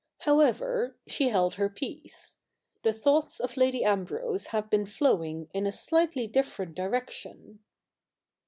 How ever, she held her peace. The thoughts of Lady Ambrose had been flowing in a slightly different direction.